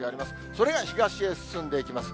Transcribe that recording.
それが東へ進んでいきます。